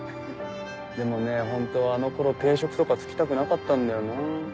でもねホントはあの頃定職とか就きたくなかったんだよな。